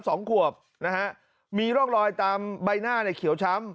สองขวบนะฮะมีร่องรอยตามใบหน้าเนี่ยเขียวช้ำ